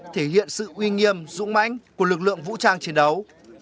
thể hiện sự uy nghiêm dũng mãnh của lực lượng vũ trang chiến đấu